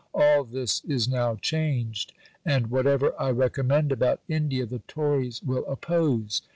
All this is now changed: and whatever I recommend about India the Tories will oppose.